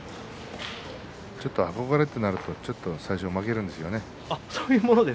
憧れとなると最初負けるんですよね。